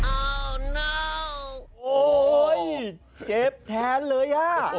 โอ้โหเจ็บแทนเลยอ่ะ